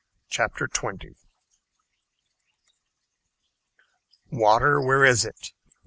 CHAPTER 20 WATER, WHERE IS IT?